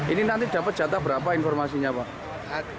ini nanti dapat jatah berapa informasinya pak